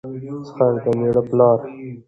خسر دمېړه پلار